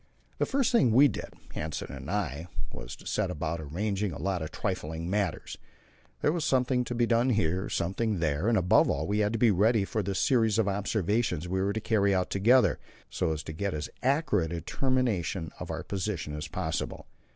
The first thing we did Hanssen and I was to set about arranging a lot of trifling matters; there was something to be done here, something there, and above all we had to be ready for the series of observations we were to carry out together, so as to get as accurate a determination of our position as possible.